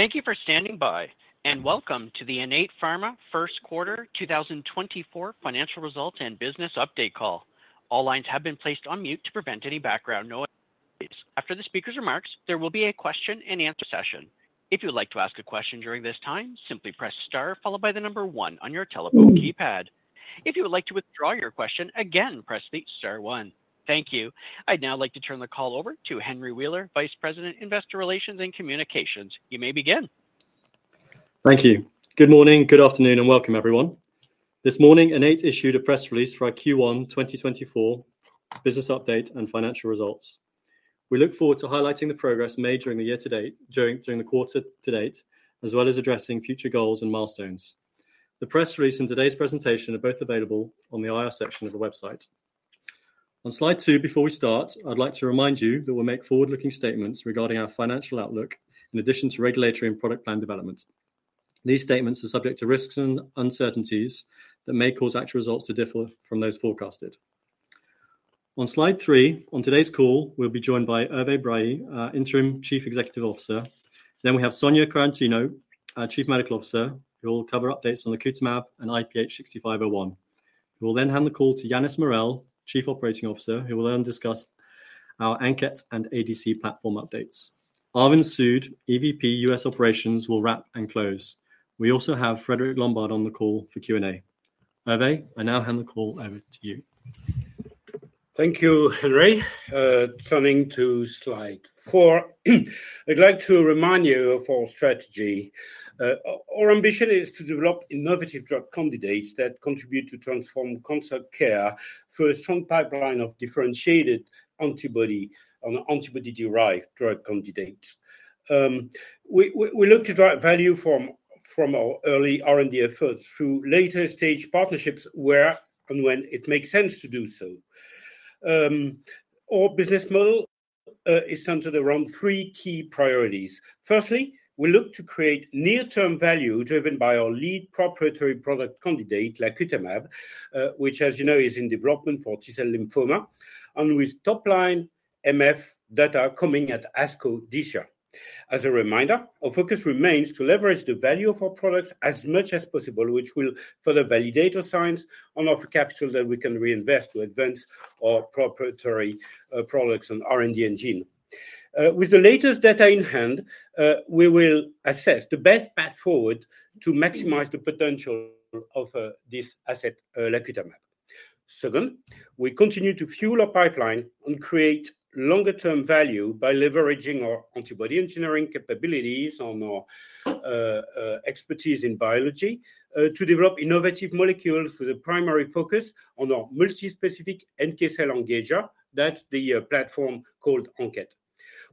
Thank you for standing by, and welcome to the Innate Pharma first quarter 2024 financial results and business update call. All lines have been placed on mute to prevent any background noise. After the speaker's remarks, there will be a question-and-answer session. If you would like to ask a question during this time, simply press star followed by the number one on your telephone keypad. If you would like to withdraw your question, again press the star one. Thank you. I'd now like to turn the call over to Henry Wheeler, Vice President Investor Relations and Communications. You may begin. Thank you. Good morning, good afternoon, and welcome, everyone. This morning, Innate issued a press release for our Q1 2024 business update and financial results. We look forward to highlighting the progress made during the year to date during the quarter to date, as well as addressing future goals and milestones. The press release and today's presentation are both available on the IR section of the website. On slide two, before we start, I'd like to remind you that we'll make forward-looking statements regarding our financial outlook, in addition to regulatory and product plan development. These statements are subject to risks and uncertainties that may cause actual results to differ from those forecasted. On slide three, on today's call, we'll be joined by Hervé Brailly, Interim Chief Executive Officer. Then we have Sonia Quaratino, Chief Medical Officer, who will cover updates on lacutamab and IPH6501. We will then hand the call to Yannis Morel, Chief Operating Officer, who will then discuss our ANKET and ADC platform updates. Arvind Sood, EVP US Operations, will wrap and close. We also have Frédéric Lombard on the call for Q&A. Hervé, I now hand the call over to you. Thank you, Henry. Turning to slide four, I'd like to remind you of our strategy. Our ambition is to develop innovative drug candidates that contribute to transforming cancer care through a strong pipeline of differentiated antibody-derived drug candidates. We look to drive value from our early R&D efforts through later-stage partnerships where and when it makes sense to do so. Our business model is centered around three key priorities. Firstly, we look to create near-term value driven by our lead proprietary product candidate, lacutamab, which, as you know, is in development for T-cell lymphoma, and with top-line MF data coming at ASCO this year. As a reminder, our focus remains to leverage the value of our products as much as possible, which will further validate our science and offer capital that we can reinvest to advance our proprietary products and R&D engine. With the latest data in hand, we will assess the best path forward to maximize the potential of this asset, lacutamab. Second, we continue to fuel our pipeline and create longer-term value by leveraging our antibody engineering capabilities and our expertise in biology to develop innovative molecules with a primary focus on our Multispecific NK cell engager. That's the platform called ANKET.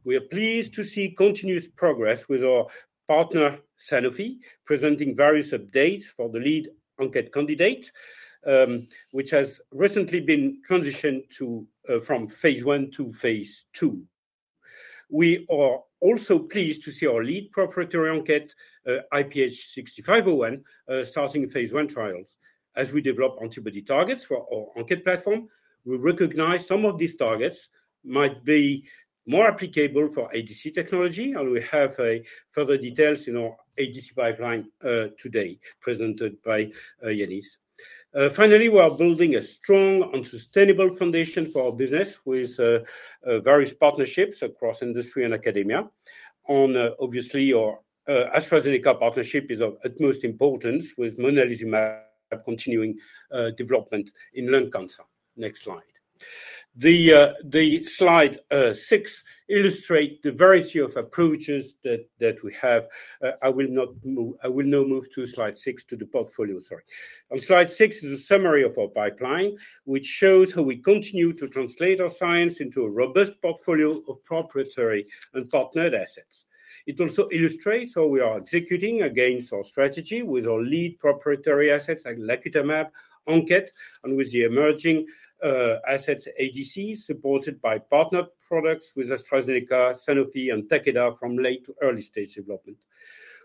We are pleased to see continuous progress with our partner Sanofi presenting various updates for the lead ANKET candidate, which has recently been transitioned from phase I to phase II. We are also pleased to see our lead proprietary ANKET, IPH6501, starting phase I trials. As we develop antibody targets for our ANKET platform, we recognize some of these targets might be more applicable for ADC technology, and we have further details in our ADC pipeline today, presented by Yannis. Finally, we are building a strong and sustainable foundation for our business with various partnerships across industry and academia. Obviously, our AstraZeneca partnership is of utmost importance, with monalizumab continuing development in lung cancer. Next slide. The slide six illustrates the variety of approaches that we have. I will now move to slide six, to the portfolio, sorry. On slide six is a summary of our pipeline, which shows how we continue to translate our science into a robust portfolio of proprietary and partnered assets. It also illustrates how we are executing against our strategy with our lead proprietary assets like lacutamab, ANKET, and with the emerging assets ADC supported by partnered products with AstraZeneca, Sanofi, and Takeda from late to early-stage development.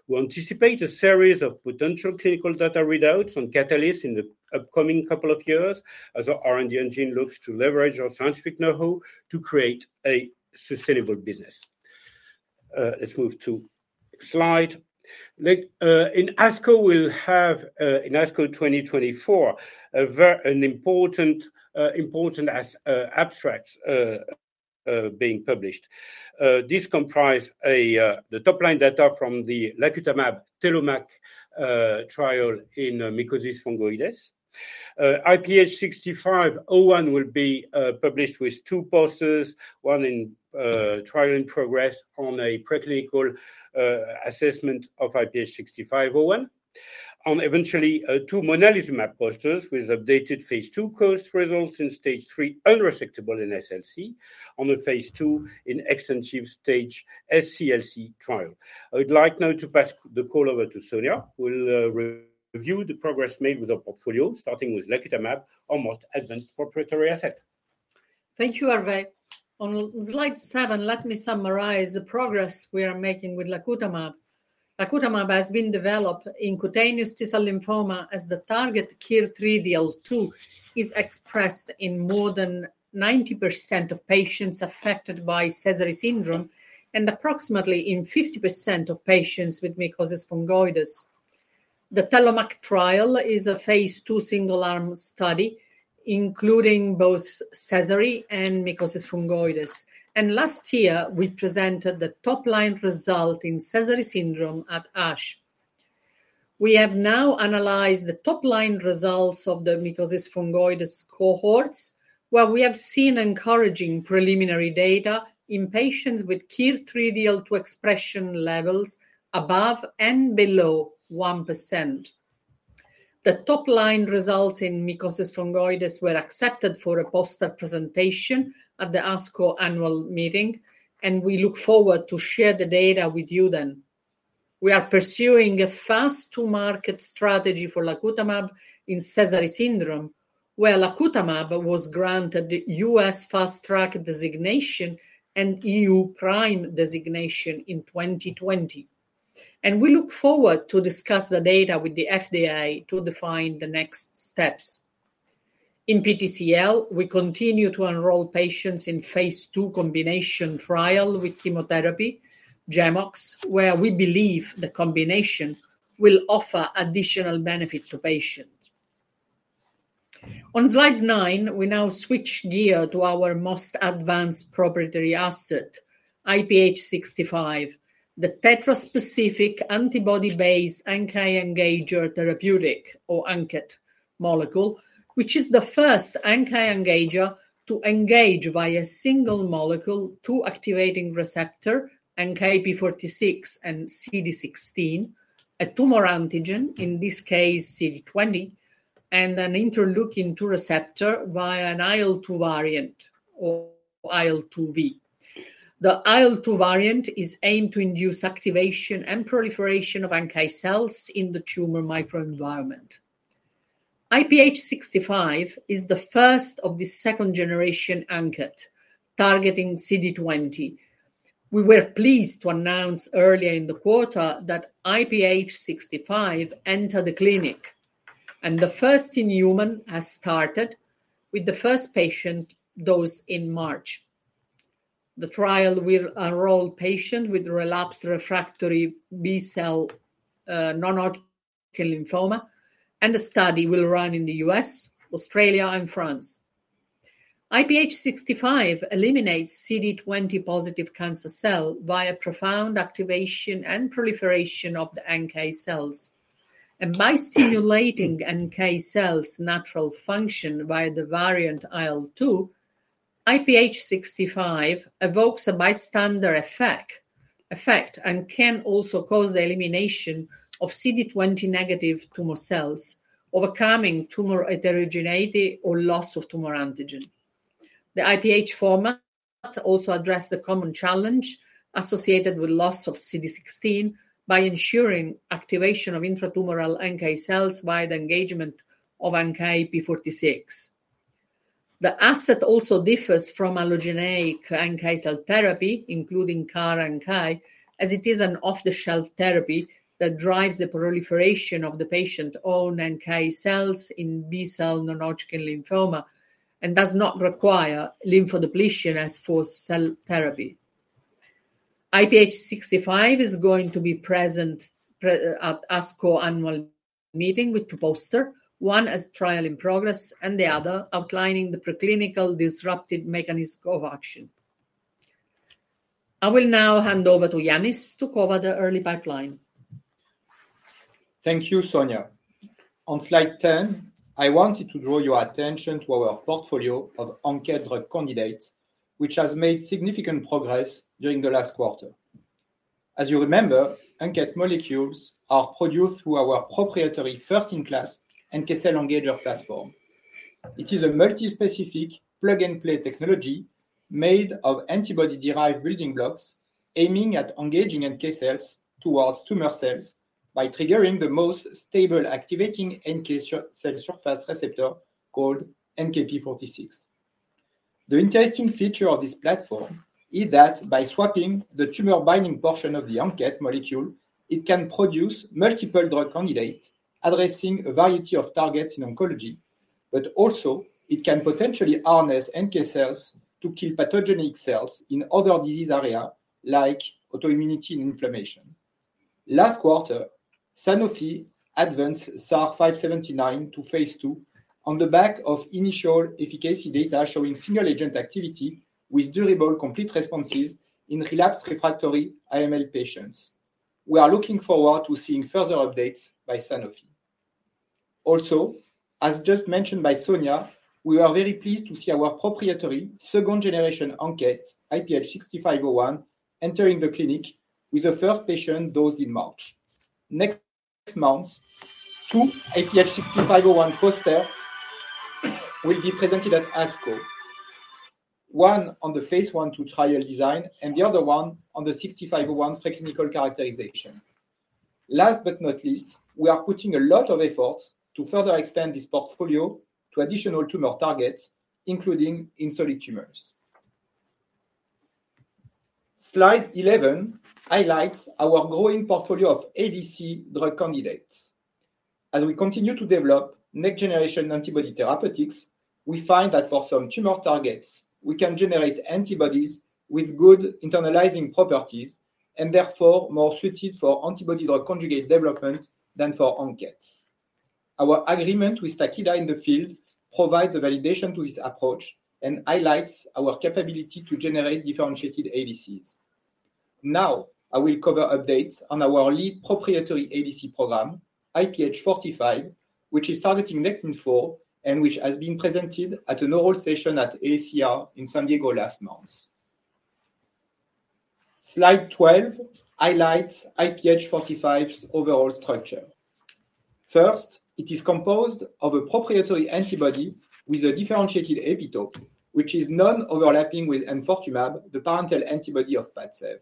We anticipate a series of potential clinical data readouts and catalysts in the upcoming couple of years as our R&D engine looks to leverage our scientific know-how to create a sustainable business. Let's move to slide. In ASCO, we'll have in ASCO 2024, an important abstract being published. This comprises the top-line data from the lacutamab Telomac trial in mycosis fungoides. IPH6501 will be published with two posters, one in trial in progress on a preclinical assessment of IPH6501, and eventually two monalizumab posters with updated phase II combo results in stage 3 unresectable NSCLC, and a phase II in extensive stage SCLC trial. I would like now to pass the call over to Sonia, who will review the progress made with our portfolio, starting with lacutamab, our most advanced proprietary asset. Thank you, Hervé. On slide seven, let me summarize the progress we are making with lacutamab. Lacutamab has been developed in cutaneous T-cell lymphoma as the target KIR3DL2 is expressed in more than 90% of patients affected by Sézary syndrome and approximately 50% of patients with mycosis fungoides. The Telomac trial is a phase II single-arm study including both Sézary and mycosis fungoides, and last year we presented the top-line result in Sézary syndrome at ASH. We have now analyzed the top-line results of the mycosis fungoides cohorts, where we have seen encouraging preliminary data in patients with KIR3DL2 expression levels above and below 1%. The top-line results in mycosis fungoides were accepted for a poster presentation at the ASCO annual meeting, and we look forward to sharing the data with you then. We are pursuing a fast-to-market strategy for lacutamab in Sézary syndrome, where lacutamab was granted the US Fast Track designation and EU Prime designation in 2020, and we look forward to discussing the data with the FDA to define the next steps. In PTCL, we continue to enroll patients in phase II combination trial with chemotherapy, GemOx, where we believe the combination will offer additional benefit to patients. On slide nine, we now switch gear to our most advanced proprietary asset, IPH6501, the tetra-specific antibody-based NK engager therapeutic, or ANKET, molecule, which is the first NK engager to engage via a single molecule-to-activating receptor NKp46 and CD16, a tumor antigen, in this case CD20, and an interleukin-2 receptor via an IL-2 variant, or IL-2v. The IL-2 variant is aimed to induce activation and proliferation of NK cells in the tumor microenvironment. IPH6501 is the first of the second-generation ANKET, targeting CD20. We were pleased to announce earlier in the quarter that IPH6501 entered the clinic, and the first-in-human has started, with the first patient dosed in March. The trial will enroll patients with relapsed refractory B-cell non-Hodgkin lymphoma, and the study will run in the U.S., Australia, and France. IPH6501 eliminates CD20-positive cancer cells via profound activation and proliferation of the NK cells, and by stimulating NK cells' natural function via the variant IL-2, IPH6501 evokes a bystander effect and can also cause the elimination of CD20-negative tumor cells, overcoming tumor heterogeneity or loss of tumor antigen. The IPH format also addresses the common challenge associated with loss of CD16 by ensuring activation of intratumoral NK cells via the engagement of NKp46. The asset also differs from allogeneic NK cell therapy, including CAR-NK, as it is an off-the-shelf therapy that drives the proliferation of the patient's own NK cells in B-cell non-Hodgkin lymphoma and does not require lymphodepletion as for cell therapy. IPH6501 is going to be present at ASCO annual meeting with two posters, one as trial in progress and the other outlining the preclinical disruptive mechanism of action. I will now hand over to Yannis to cover the early pipeline. Thank you, Sonia. On slide 10, I wanted to draw your attention to our portfolio of ANKET drug candidates, which has made significant progress during the last quarter. As you remember, ANKET molecules are produced through our proprietary first-in-class NK cell engager platform. It is a multispecific plug-and-play technology made of antibody-derived building blocks, aiming at engaging NK cells towards tumor cells by triggering the most stable activating NK cell surface receptor called NKp46. The interesting feature of this platform is that by swapping the tumor-binding portion of the ANKET molecule, it can produce multiple drug candidates, addressing a variety of targets in oncology, but also it can potentially harness NK cells to kill pathogenic cells in other disease areas like autoimmunity and inflammation. Last quarter, Sanofi advanced SAR'579 to phase II on the back of initial efficacy data showing single-agent activity with durable complete responses in relapsed refractory AML patients. We are looking forward to seeing further updates by Sanofi. Also, as just mentioned by Sonia, we were very pleased to see our proprietary second-generation ANKET, IPH6501, entering the clinic with the first patient dosed in March. Next month, two IPH6501 posters will be presented at ASCO, one on the phase I/II trial design and the other one on the 6501 preclinical characterization. Last but not least, we are putting a lot of efforts to further expand this portfolio to additional tumor targets, including in solid tumors. Slide 11 highlights our growing portfolio of ADC drug candidates. As we continue to develop next-generation antibody therapeutics, we find that for some tumor targets, we can generate antibodies with good internalizing properties and therefore more suited for antibody-drug conjugate development than for ANKET. Our agreement with Takeda in the field provides the validation to this approach and highlights our capability to generate differentiated ADCs. Now, I will cover updates on our lead proprietary ADC program, IPH45, which is targeting Nectin-4 and which has been presented at an oral session at AACR in San Diego last month. Slide 12 highlights IPH45's overall structure. First, it is composed of a proprietary antibody with a differentiated epitope, which is non-overlapping with M42 mAb, the parental antibody of Padsev.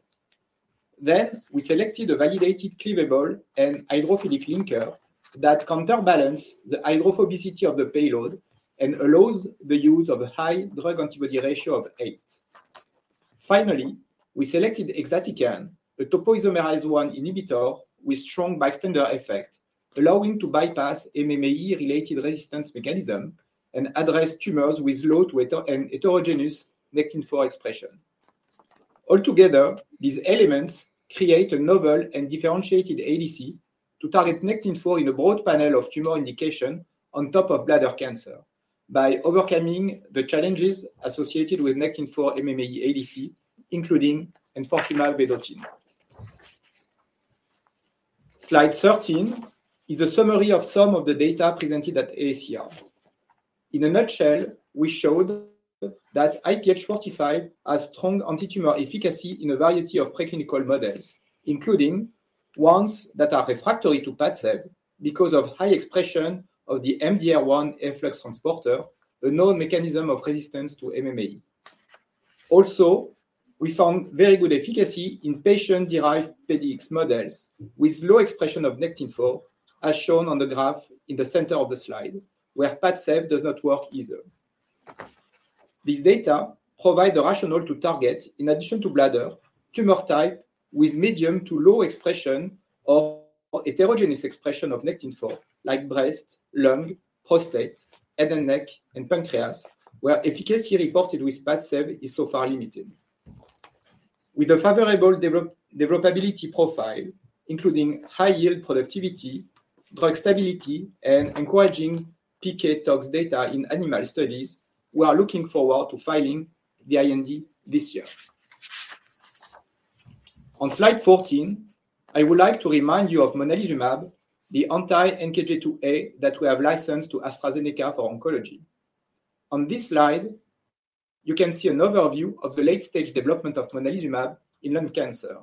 Then, we selected a validated cleavable and hydrophilic linker that counterbalances the hydrophobicity of the payload and allows the use of a high drug-antibody ratio of eight. Finally, we selected exatecan, a topoisomerase I inhibitor with strong bystander effect, allowing to bypass MMAE-related resistance mechanisms and address tumors with low to heterogeneous Nectin-4 expression. Altogether, these elements create a novel and differentiated ADC to target Nectin-4 in a broad panel of tumor indication on top of bladder cancer by overcoming the challenges associated with Nectin-4 MMAE ADC, including MDR1/ABCB1 gene. Slide 13 is a summary of some of the data presented at AACR. In a nutshell, we showed that IPH45 has strong antitumor efficacy in a variety of preclinical models, including ones that are refractory to Padsev because of high expression of the MDR1 efflux transporter, a known mechanism of resistance to MMAE. Also, we found very good efficacy in patient-derived PDX models with low expression of Nectin-4, as shown on the graph in the center of the slide, where Padsev does not work either. These data provide a rationale to target, in addition to bladder, tumor types with medium to low expression or heterogeneous expression of Nectin-4, like breast, lung, prostate, head and neck, and pancreas, where efficacy reported with Padsev is so far limited. With a favorable developability profile, including high-yield productivity, drug stability, and encouraging PK tox data in animal studies, we are looking forward to filing the IND this year. On slide 14, I would like to remind you of monalizumab, the anti-NKG2A that we have licensed to AstraZeneca for oncology. On this slide, you can see an overview of the late-stage development of monalizumab in lung cancer.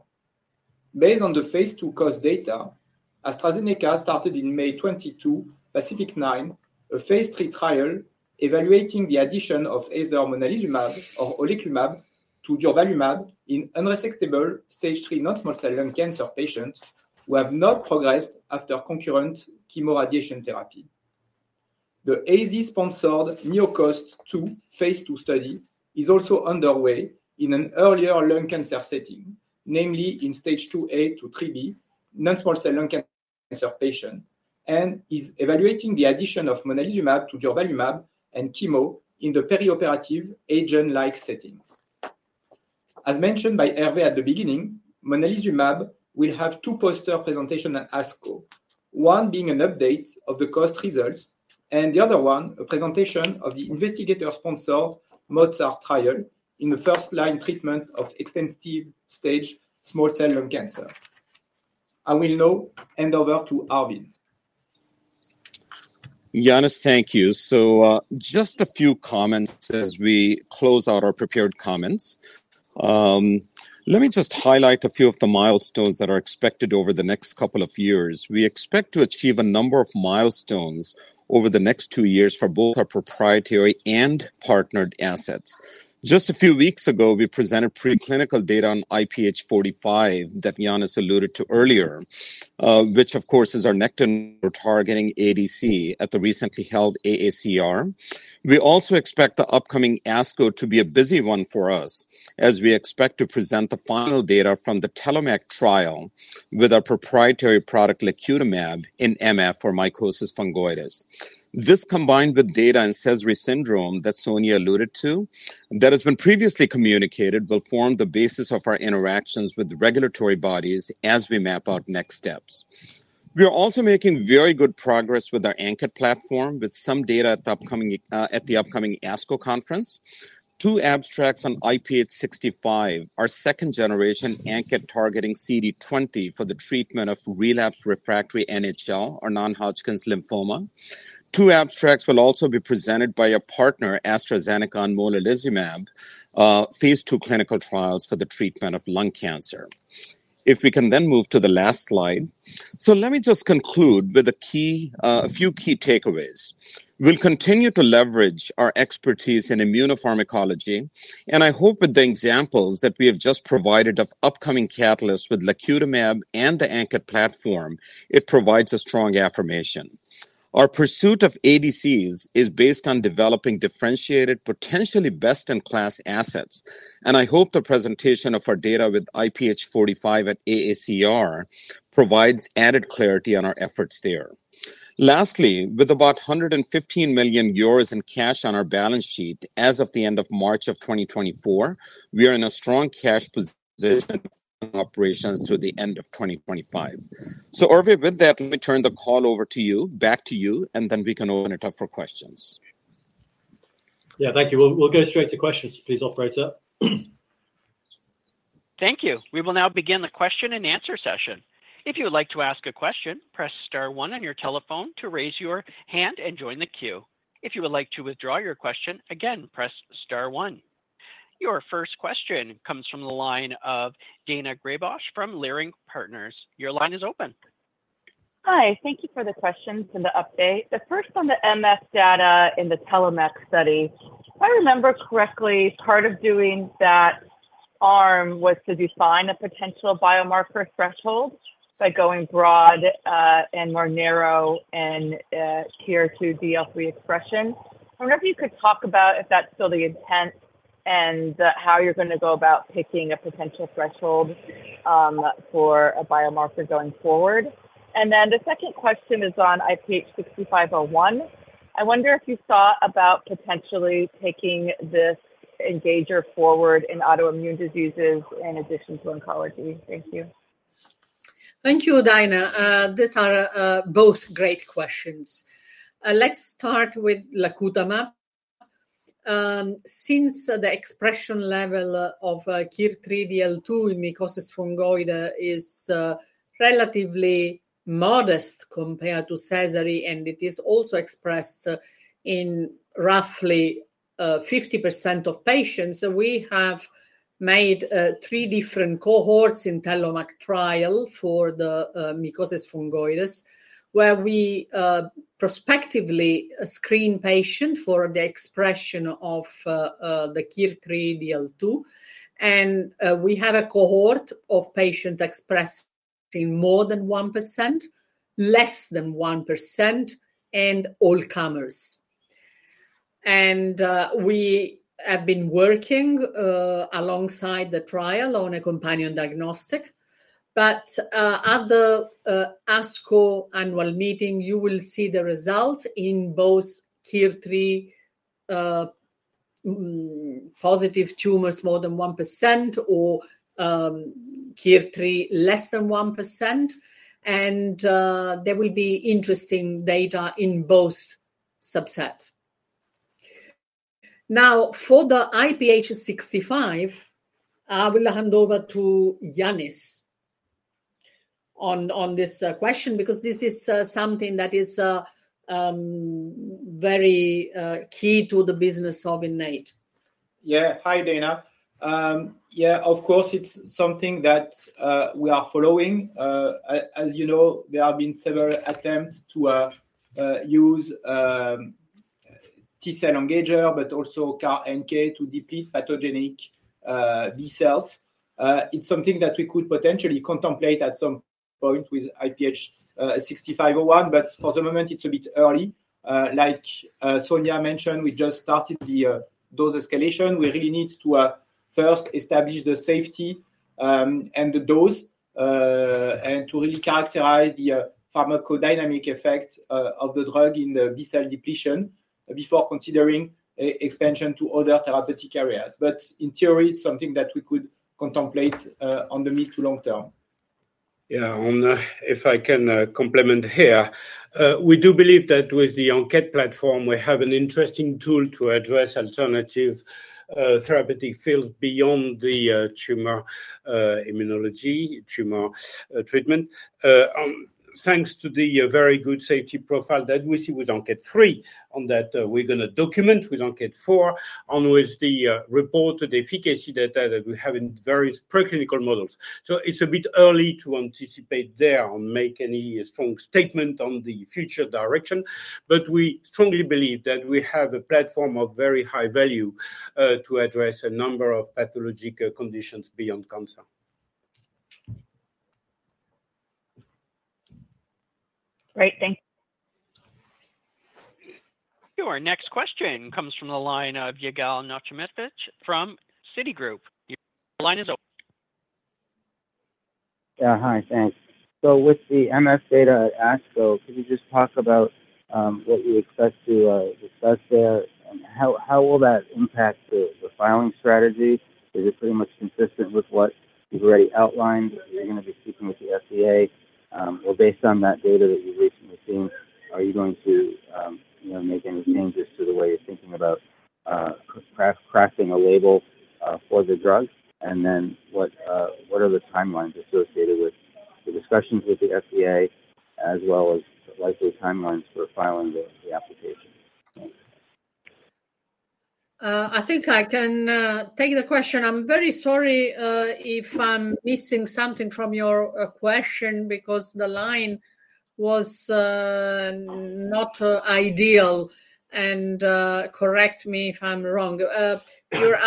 Based on the phase II COAST data, AstraZeneca started in May 2022, PACIFIC-9, a phase III trial evaluating the addition of either monalizumab or oleclumab to durvalumab in unresectable stage 3 non-small cell lung cancer patients who have not progressed after concurrent chemoradiation therapy. The AZ-sponsored NeoCOAST-2 phase II study is also underway in an earlier lung cancer setting, namely in stage 2a to 3b non-small cell lung cancer patients, and is evaluating the addition of monalizumab to durvalumab and chemo in the perioperative adjuvant-like setting. As mentioned by Hervé at the beginning, monalizumab will have two poster presentations at ASCO, one being an update of the COAST results and the other one a presentation of the investigator-sponsored MOZART trial in the first-line treatment of extensive stage small cell lung cancer. I will now hand over to Arvind. Yannis, thank you. So just a few comments as we close out our prepared comments. Let me just highlight a few of the milestones that are expected over the next couple of years. We expect to achieve a number of milestones over the next two years for both our proprietary and partnered assets. Just a few weeks ago, we presented preclinical data on IPH45 that Yannis alluded to earlier, which, of course, is our Nectin-4 targeting ADC at the recently held AACR. We also expect the upcoming ASCO to be a busy one for us, as we expect to present the final data from the Telomac trial with our proprietary product lacutamab in MF for mycosis fungoides. This, combined with data in Sézary syndrome that Sonia alluded to, that has been previously communicated, will form the basis of our interactions with regulatory bodies as we map out next steps. We are also making very good progress with our ANKET platform, with some data at the upcoming ASCO conference. Two abstracts on IPH6501, our second-generation ANKET targeting CD20 for the treatment of relapsed refractory NHL or non-Hodgkin's lymphoma. Two abstracts will also be presented by our partner, AstraZeneca and monalizumab, phase II clinical trials for the treatment of lung cancer. If we can then move to the last slide. So let me just conclude with a few key takeaways. We'll continue to leverage our expertise in immunopharmacology, and I hope with the examples that we have just provided of upcoming catalysts with lacutamab and the ANKET platform, it provides a strong affirmation. Our pursuit of ADCs is based on developing differentiated, potentially best-in-class assets, and I hope the presentation of our data with IPH45 at AACR provides added clarity on our efforts there. Lastly, with about 115 million euros in cash on our balance sheet as of the end of March of 2024, we are in a strong cash position for operations through the end of 2025. So Hervé, with that, let me turn the call over to you, back to you, and then we can open it up for questions. Yeah, thank you. We'll go straight to questions, please, operator. Thank you. We will now begin the question-and-answer session. If you would like to ask a question, press star one on your telephone to raise your hand and join the queue. If you would like to withdraw your question, again, press star one. Your first question comes from the line of Daina Graybosch from Leerink Partners. Your line is open. Hi. Thank you for the question and the update. The first on the MF data in the Telomac study, if I remember correctly, part of doing that arm was to define a potential biomarker threshold by going broad and more narrow in tier 2 DLL3 expression. I wonder if you could talk about if that's still the intent and how you're going to go about picking a potential threshold for a biomarker going forward. And then the second question is on IPH6501. I wonder if you thought about potentially taking this engager forward in autoimmune diseases in addition to oncology. Thank you. Thank you, Diana. These are both great questions. Let's start with lacutamab. Since the expression level of KIR3DL2 in mycosis fungoides is relatively modest compared to Sézary, and it is also expressed in roughly 50% of patients, we have made three different cohorts in Telomac trial for the mycosis fungoides, where we prospectively screen patients for the expression of the KIR3DL2. We have a cohort of patients expressing more than 1%, less than 1%, and all-comers. We have been working alongside the trial on a companion diagnostic. But at the ASCO annual meeting, you will see the result in both KIR3DL2 positive tumors, more than 1%, or KIR3DL2, less than 1%. There will be interesting data in both subsets. Now, for the IPH6501, I will hand over to Yannis on this question because this is something that is very key to the business of Innate. Yeah. Hi, Diana. Yeah, of course, it's something that we are following. As you know, there have been several attempts to use T-cell engager, but also CAR-NK to deplete pathogenic B-cells. It's something that we could potentially contemplate at some point with IPH6501, but for the moment, it's a bit early. Like Sonia mentioned, we just started the dose escalation. We really need to first establish the safety and the dose and to really characterize the pharmacodynamic effect of the drug in the B-cell depletion before considering expansion to other therapeutic areas. But in theory, it's something that we could contemplate on the mid to long term. Yeah. If I can comment here, we do believe that with the ANKET platform, we have an interesting tool to address alternative therapeutic fields beyond the tumor immunology, tumor treatment. Thanks to the very good safety profile that we see with ANKET 3 on that we're going to document with ANKET 4 and with the reported efficacy data that we have in various preclinical models. So it's a bit early to anticipate there and make any strong statement on the future direction. But we strongly believe that we have a platform of very high value to address a number of pathologic conditions beyond cancer. Great. Thank you. Your next question comes from the line of Yigal Nochomovitz from Citigroup. Your line is open. Yeah. Hi. Thanks. So with the MF data at ASCO, could you just talk about what you expect to discuss there and how will that impact the filing strategy? Is it pretty much consistent with what you've already outlined? Are you going to be speaking with the FDA? Well, based on that data that you've recently seen, are you going to make any changes to the way you're thinking about crafting a label for the drug? And then what are the timelines associated with the discussions with the FDA, as well as likely timelines for filing the application? I think I can take the question. I'm very sorry if I'm missing something from your question because the line was not ideal. Correct me if I'm wrong. Your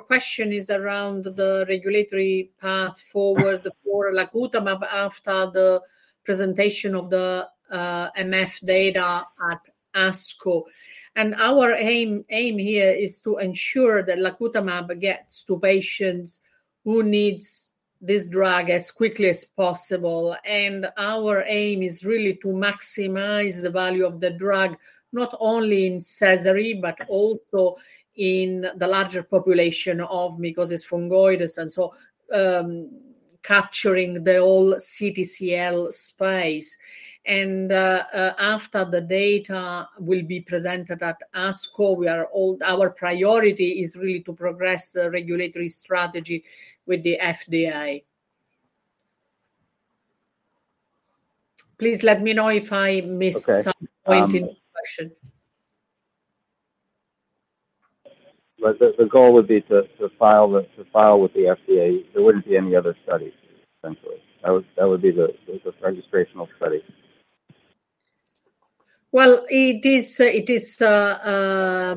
question is around the regulatory path forward for lacutamab after the presentation of the MF data at ASCO. Our aim here is to ensure that lacutamab gets to patients who need this drug as quickly as possible. Our aim is really to maximize the value of the drug not only in Sézary but also in the larger population of mycosis fungoides, and so capturing the whole CTCL space. After the data will be presented at ASCO, our priority is really to progress the regulatory strategy with the FDA. Please let me know if I missed some point in the question. But the goal would be to file with the FDA. There wouldn't be any other studies, essentially. That would be the registrational study. Well, it is now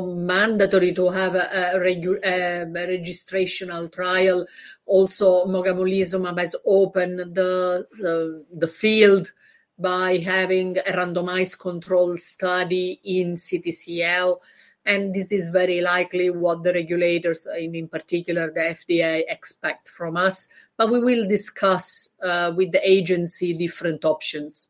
mandatory to have a registrational trial. Also, mogamulizumab has opened the field by having a randomized control study in CTCL. And this is very likely what the regulators, in particular the FDA, expect from us. But we will discuss with the agency different options.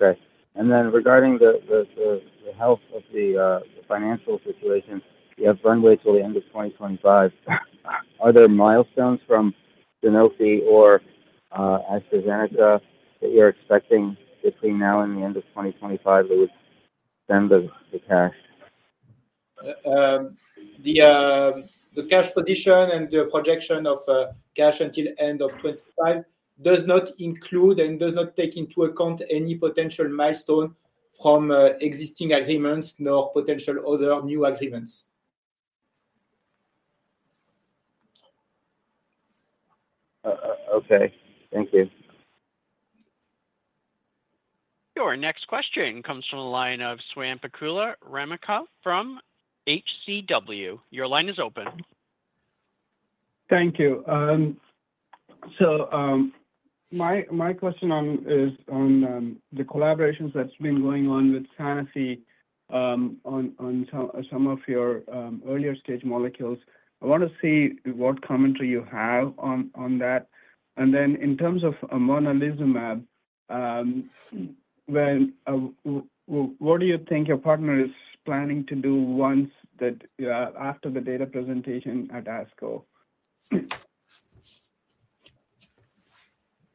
Okay. And then regarding the health of the financial situation, we have runway till the end of 2025. Are there milestones from Sanofi or AstraZeneca that you're expecting between now and the end of 2025 that would send the cash? The cash position and the projection of cash until end of 2025 does not include and does not take into account any potential milestone from existing agreements nor potential other new agreements. Okay. Thank you. Your next question comes from the line of Swayampakula Ramakanth from HCW. Your line is open. Thank you. So my question is on the collaborations that's been going on with Sanofi on some of your earlier stage molecules. I want to see what commentary you have on that. And then in terms of monalizumab, what do you think your partner is planning to do after the data presentation at ASCO?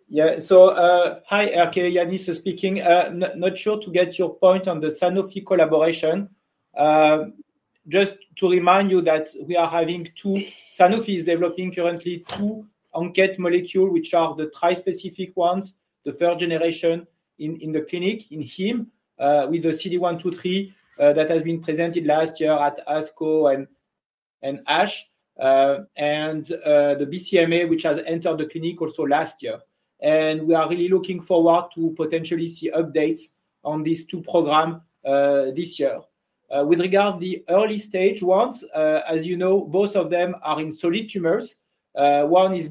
Yeah. So hi, okay. Yannis speaking. I'm not sure I get your point on the Sanofi collaboration. Just to remind you that we have two; Sanofi is developing currently two ANKET molecules, which are the trispecific ones, the third generation in the clinic, in hem, with the CD123 that has been presented last year at ASCO and ASH, and the BCMA, which has entered the clinic also last year. And we are really looking forward to potentially see updates on these two programs this year. With regard to the early stage ones, as you know, both of them are in solid tumors. One is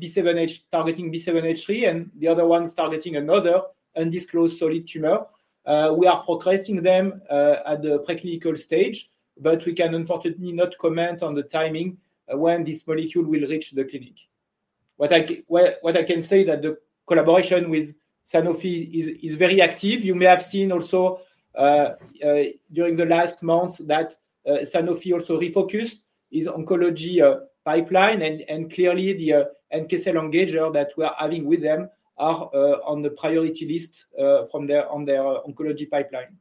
targeting B7-H3, and the other one is targeting another undisclosed solid tumor. We are progressing them at the preclinical stage, but we can, unfortunately, not comment on the timing when this molecule will reach the clinic. What I can say is that the collaboration with Sanofi is very active. You may have seen also during the last months that Sanofi also refocused its oncology pipeline. Clearly, the NK cell engager that we are having with them are on the priority list on their oncology pipeline.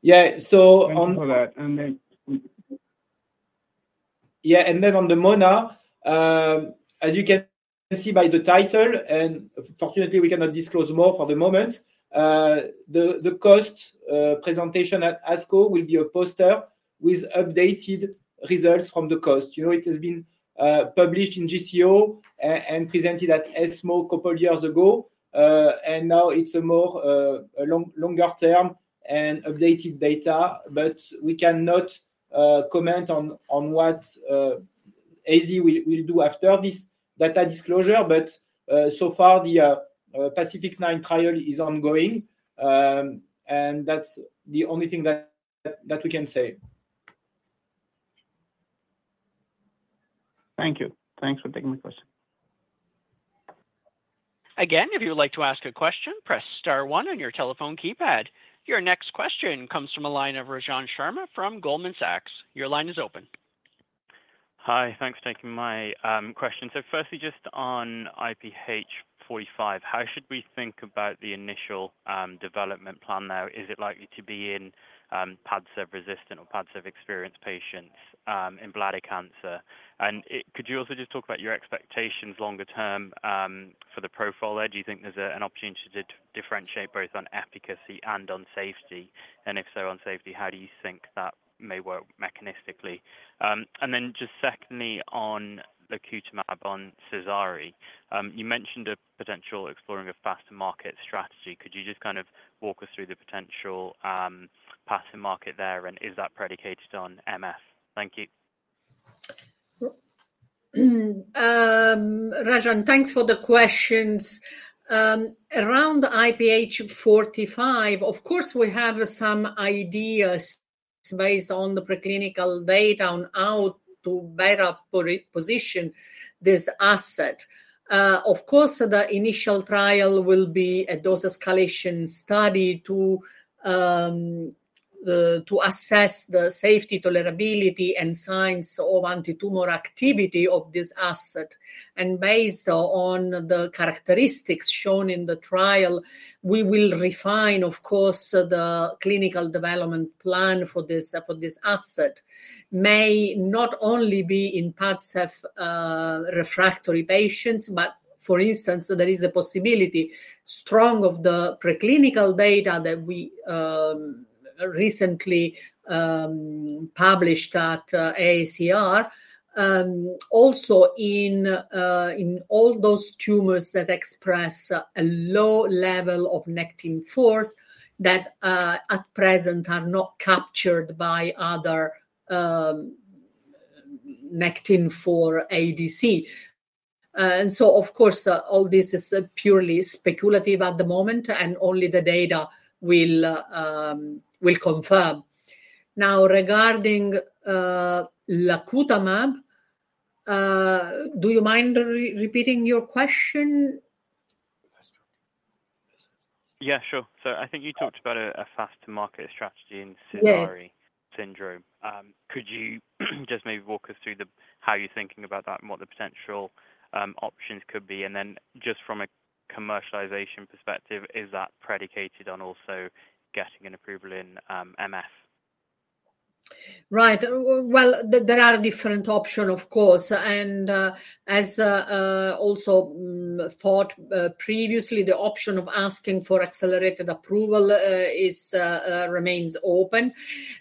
Yeah. So on. Thanks for that. Then. Yeah. And then on the Mona, as you can see by the title, and fortunately, we cannot disclose more for the moment. The COAST presentation at ASCO will be a poster with updated results from the COAST. It has been published in JCO and presented at ESMO a couple of years ago. And now it's a longer-term and updated data. But we cannot comment on what AZ will do after this data disclosure. But so far, the PACIFIC-9 trial is ongoing. And that's the only thing that we can say. Thank you. Thanks for taking my question. Again, if you would like to ask a question, press star one on your telephone keypad. Your next question comes from a line of Rajan Sharma from Goldman Sachs. Your line is open. Hi. Thanks for taking my question. So firstly, just on IPH45, how should we think about the initial development plan now? Is it likely to be in Padsev-resistant or Padsev-experienced patients in bladder cancer? And could you also just talk about your expectations longer-term for the profile there? Do you think there's an opportunity to differentiate both on efficacy and on safety? And if so, on safety, how do you think that may work mechanistically? And then just secondly, on lacutamab, on Sézary, you mentioned a potential exploring a faster market strategy. Could you just kind of walk us through the potential passive market there, and is that predicated on MF? Thank you. Rajan, thanks for the questions. Around IPH45, of course, we have some ideas based on the preclinical data on how to better position this asset. Of course, the initial trial will be a dose escalation study to assess the safety, tolerability, and signs of antitumor activity of this asset. Based on the characteristics shown in the trial, we will refine, of course, the clinical development plan for this asset. It may not only be in Padsev refractory patients, but for instance, there is a strong possibility of the preclinical data that we recently published at AACR, also in all those tumors that express a low level of Nectin-4 that at present are not captured by other Nectin-4 ADC. So, of course, all this is purely speculative at the moment, and only the data will confirm. Now, regarding lacutamab, do you mind repeating your question? Yeah. Sure. So I think you talked about a faster market strategy in Sézary syndrome. Could you just maybe walk us through how you're thinking about that and what the potential options could be? And then just from a commercialization perspective, is that predicated on also getting an approval in MF? Right. Well, there are different options, of course. And as also thought previously, the option of asking for accelerated approval remains open.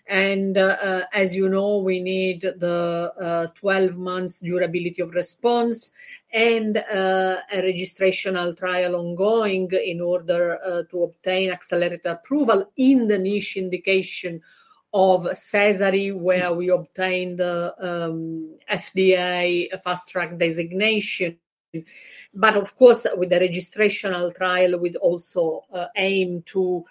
And as you know, we need the 12-month durability of response and a registrational trial ongoing in order to obtain accelerated approval in the niche indication of Sézary where we obtained FDA fast-track designation. But of course, with the registrational trial, we'd also aim to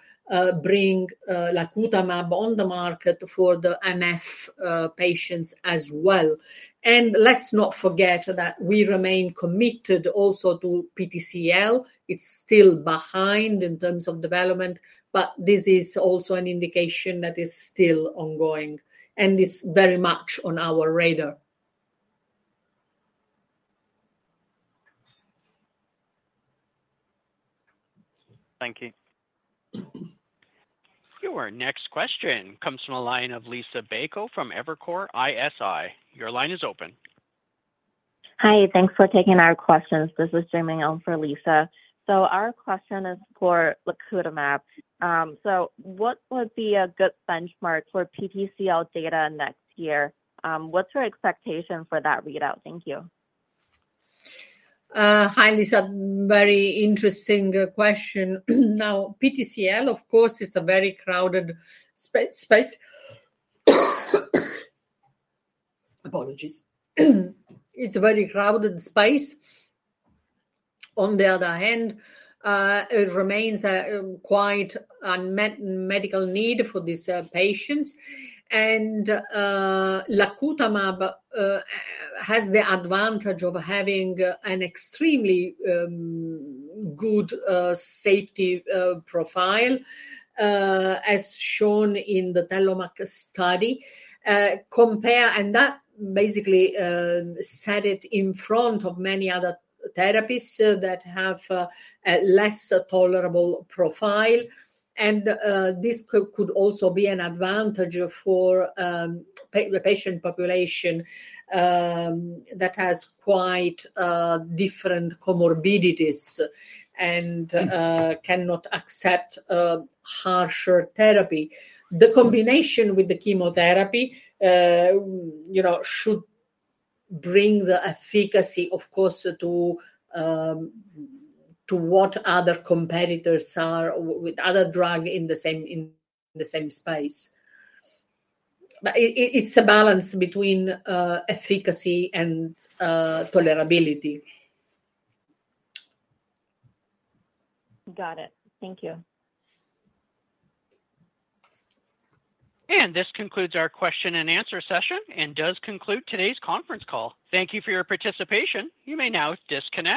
bring lacutamab on the market for the MF patients as well. And let's not forget that we remain committed also to PTCL. It's still behind in terms of development, but this is also an indication that is still ongoing and is very much on our radar. Thank you. Your next question comes from a line of Lisa Bayko from Evercore ISI. Your line is open. Hi. Thanks for taking our questions. This is Jamie Ilm for Lisa. So our question is for lacutamab. So what would be a good benchmark for PTCL data next year? What's your expectation for that readout? Thank you. Hi, Lisa. Very interesting question. Now, PTCL, of course, is a very crowded space. Apologies. It's a very crowded space. On the other hand, it remains quite a medical need for these patients. Lacutamab has the advantage of having an extremely good safety profile as shown in the Telomac study. That basically set it in front of many other therapies that have a less tolerable profile. This could also be an advantage for the patient population that has quite different comorbidities and cannot accept harsher therapy. The combination with the chemotherapy should bring the efficacy, of course, to what other competitors are with other drugs in the same space. But it's a balance between efficacy and tolerability. Got it. Thank you. This concludes our question and answer session and does conclude today's conference call. Thank you for your participation. You may now disconnect.